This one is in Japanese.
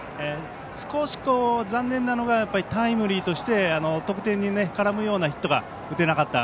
少し残念なのがタイムリーとして得点に絡むようなヒットが打てなかった。